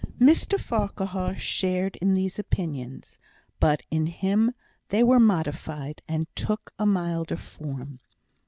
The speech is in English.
Mr Farquhar shared in these opinions; but in him they were modified, and took a milder form.